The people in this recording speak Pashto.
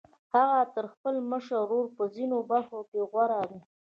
هغه تر خپل مشر ورور په ځينو برخو کې غوره دی.